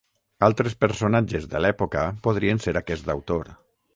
Altres personatges de l'època podrien ser aquest autor.